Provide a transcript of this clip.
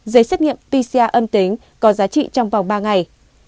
giấy xét nghiệm pcr âm tính có giá trị trong vòng ba ngày